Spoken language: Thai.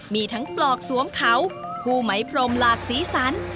มีทั้งปลอกสวมเขาผู้ไหมพรมหลากสีสัน